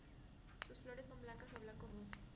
Sus flores son blancas o blanco verdoso.